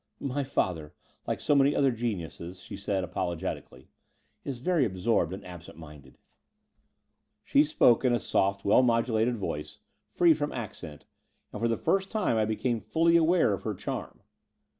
"My father, like so many other geniuses," she said apologetically, "is very absorbed and absent minded." She spoke in a soft well modulated vbice, free from accent ; and for the first time I became fully aware of her charm.